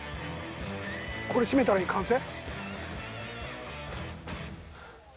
これ締めたら完成？